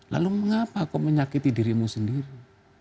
lalu mengapa kau menyakiti dirimu sendiri